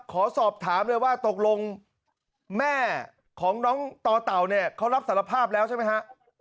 ขอสอบถามเลยว่าตกลงแม่ของน้องต่อเต่าเนี่ยเขารับสารภาพแล้วใช่ไหมฮะ